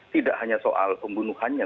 tidak hanya soal pembunuhannya